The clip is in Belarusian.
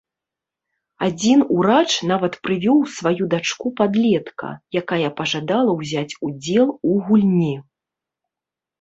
Адзін урач нават прывёў сваю дачку-падлетка, якая пажадала ўзяць удзел у гульні.